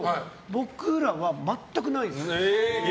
僕らは全くないんですよ。